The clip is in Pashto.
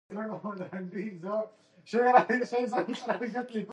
ښه دی زموږ پر نړۍ نه یې زیږیدلی